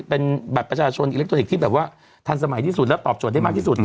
เป็นบัตรประชาชนอิเล็กทรอนิกส์ที่แบบว่าทันสมัยที่สุดแล้วตอบโจทย์ได้มากที่สุด